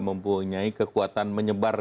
mempunyai kekuatan menyebar